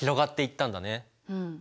うん。